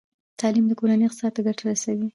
تعلیم د کورنۍ اقتصاد ته ګټه رسوي۔